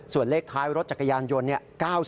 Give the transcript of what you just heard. ส่วนเลขท้ายรถจักรยานยนต์๙๔